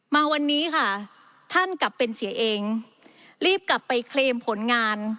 มาวันนี้ค่ะท่านกลับเป็นเสียเองรีบกลับไปเคลมผลงาน